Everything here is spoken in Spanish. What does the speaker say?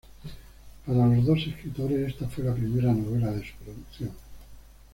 Para los dos escritores esta fue la primera novela de su producción.